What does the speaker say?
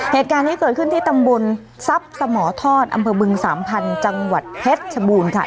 เหตุการณ์ที่เกิดขึ้นที่ตำบุญซับสะหมอทอดอำเภอบึง๓๐๐๐จังหวัดเพชรชบูรณ์ค่ะ